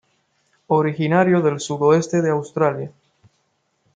Originario del sudoeste de Australia.